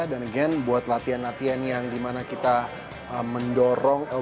dan again buat latihan latihan yang dimana kita mendorong